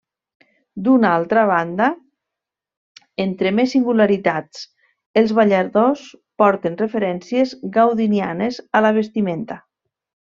D'una altra banda, entre més singularitats, els balladors porten referències gaudinianes a la vestimenta.